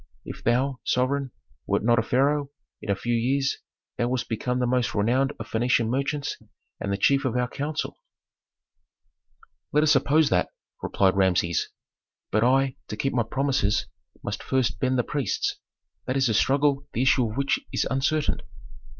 If thou, sovereign, wert not a pharaoh, in a few years thou wouldst become the most renowned of Phœnician merchants and the chief of our council." "Let us suppose that," replied Rameses. "But I, to keep my promises, must first bend the priests. That is a struggle the issue of which is uncertain."